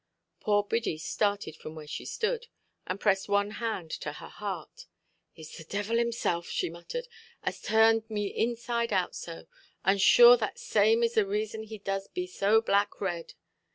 Poor Biddy started from where she stood, and pressed one hand to her heart. "Itʼs the divil himself", she muttered. "as turns me inside out so. And sure that same is the reason he does be so black red".